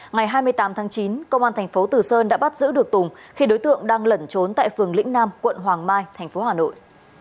ngày hai mươi tám tháng chín công an thành phố từ sơn đã bắt giữ được tùng khi đối tượng đang lẩn trốn tại phường lĩnh nam quận hoàng mai tp hà nội